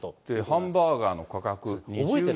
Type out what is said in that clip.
ハンバーガーの価格、２０円で。